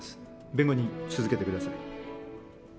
弁護人続けて下さい。